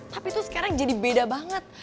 tapi tuh sekarang jadi beda banget